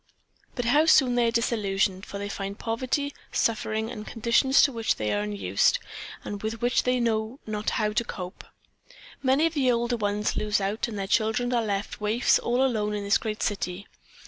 But how soon they are disillusioned, for they find poverty, suffering and conditions to which they are unused and with which they know not how to cope. Many of the older ones lose out and their children are left waifs all alone in this great city.